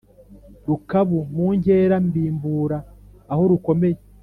Rukabu mu nkera mbimbura aho rukomeye